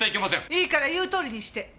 いいから言うとおりにして。